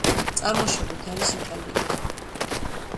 წარმოშობით არის იტალიელი.